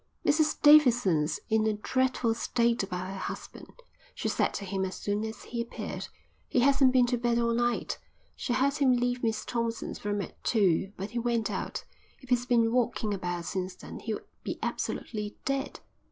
"Mrs Davidson's in a dreadful state about her husband," she said to him as soon as he appeared. "He hasn't been to bed all night. She heard him leave Miss Thompson's room at two, but he went out. If he's been walking about since then he'll be absolutely dead."